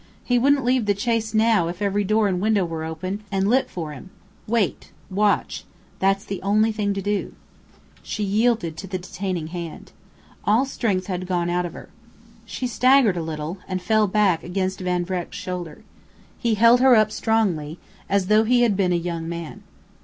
He wouldn't leave the chase now if every door and window were open and lit for him. Wait. Watch. That's the only thing to do." She yielded to the detaining hand. All strength had gone out of her. She staggered a little, and fell back against Van Vreck's shoulder. He held her up strongly, as though he had been a young man.